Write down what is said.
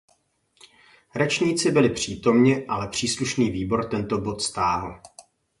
Rečníci byli přítomni, ale příslušný výbor tento bod stáhl.